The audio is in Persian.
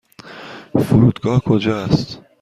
فرودگاه کجا است؟